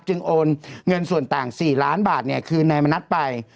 โอนเงินส่วนต่าง๔ล้านบาทคืนนายมณัฐไป